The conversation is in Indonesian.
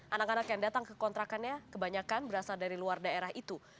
anak anak yang datang ke kontrakannya kebanyakan berasal dari luar daerah itu